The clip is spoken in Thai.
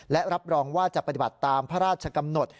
และรับรองว่าจะปฏิบัติตามพระราชกำหนด